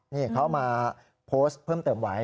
นี่เขามาโพสต์เพิ่มเติมไว้